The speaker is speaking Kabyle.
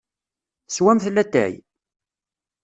Teswamt latay?